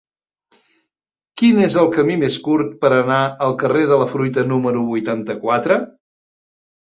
Quin és el camí més curt per anar al carrer de la Fruita número vuitanta-quatre?